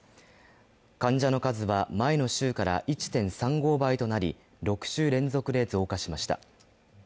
患者の数は前の週から１．３５倍となり６週連続で増加しました。